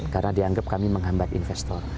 karena dianggap kami menghambat investor